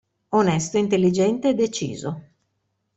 Onesto intelligente, deciso.